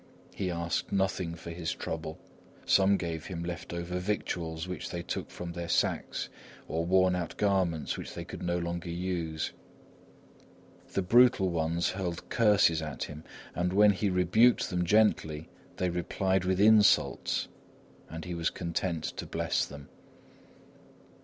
He asked nothing for his trouble; some gave him left over victuals which they took from their sacks or worn out garments which they could no longer use. The brutal ones hurled curses at him, and when he rebuked them gently they replied with insults, and he was content to bless them.